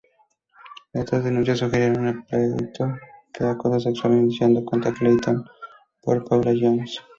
Estas denuncias surgieron del pleito de acoso sexual iniciado contra Clinton por Paula Jones.